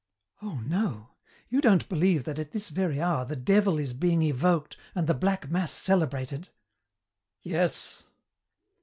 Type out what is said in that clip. "Oh, no; you don't believe that at this very hour the devil is being evoked and the black mass celebrated?" "Yes."